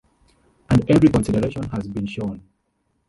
And every consideration has been shown.